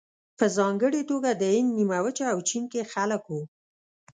په ځانګړې توګه د هند نیمه وچه او چین کې خلک وو.